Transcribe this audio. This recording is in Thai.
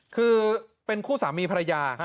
คือเป็นคู่สามีภรรยา